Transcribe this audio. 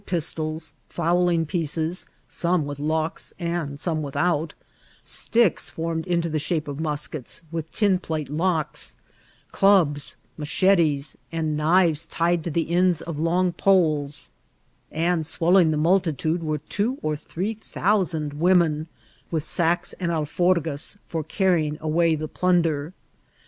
kets, €M pistoby fowUng pieees, some with loeb ttdl •ome without; sticks formed into the rinpe of moskels, with tin plate locks; dubs, machetes^ and kniTes tied •to the ends of long poles; and swdling the mnltitade were two at three thousand women, with sacks and al forgas for carrying away the plunder.